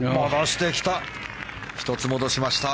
戻してきた！